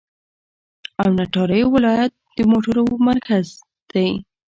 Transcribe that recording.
اونټاریو ولایت د موټرو مرکز دی.